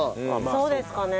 そうですかね。